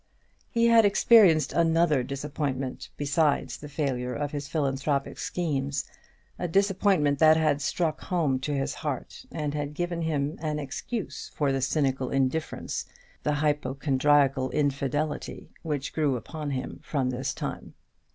He had experienced another disappointment besides the failure of his philanthropic schemes, a disappointment that had struck home to his heart, and had given him an excuse for the cynical indifference, the hypochondriacal infidelity, which grew upon him from this time.